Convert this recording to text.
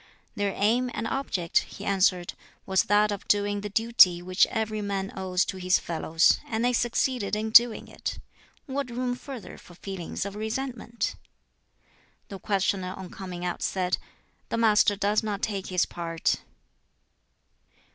"Their aim and object," he answered, "was that of doing the duty which every man owes to his fellows, and they succeeded in doing it; what room further for feelings of resentment?" The questioner on coming out said, "The Master does not take his part."